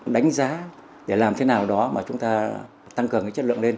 đánh giá để làm thế nào đó mà chúng ta tăng cường cái chất lượng lên